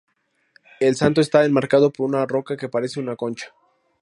El santo está enmarcado por una roca que parece una concha.